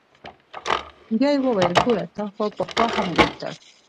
بيا يې وويل ګوره تا خو پخوا هم غوښتل.